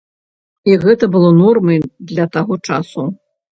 І гэта было нормай для таго часу.